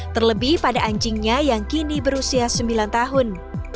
terlebih pada anjingnya yang kini berusia sembilan tahun